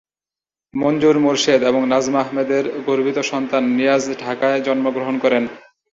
মঞ্জুর মোর্শেদ এবং নাজমা আহমেদের গর্বিত সন্তান নিয়াজ ঢাকায় জন্মগ্রহণ করেন।